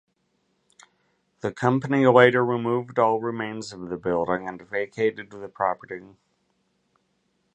The company later removed all remains of the building and vacated the property.